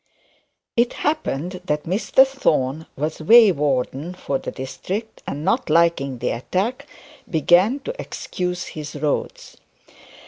It happened that Mr Thorne was way warden for the district, and not liking the attack, began to excuse his roads.